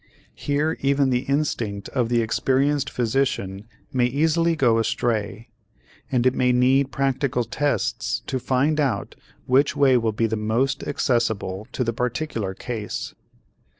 Here even the instinct of the experienced physician may easily go astray, and it may need practical tests to find out which way will be the most accessible to the particular case.